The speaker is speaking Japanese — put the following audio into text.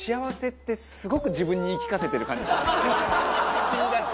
「」「口に出して。